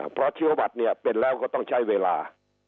เพราะเชื้อบัตรเนี่ยเป็นแล้วก็ต้องใช้เวลา